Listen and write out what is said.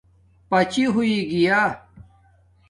پچی ہݸݵ گیݳ